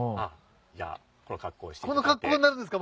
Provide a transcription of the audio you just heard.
この格好になるんですか？